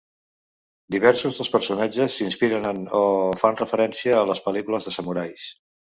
Diversos dels personatges s'inspiren en o fan referència a les pel·lícules de samurais.